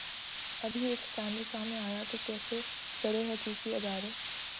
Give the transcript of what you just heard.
ابھی ایک سکینڈل سامنے آیا کہ کیسے زرعی تحقیقی ادارے